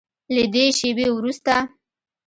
له دې شیبې وروسته